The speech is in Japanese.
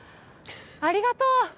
ありがとう。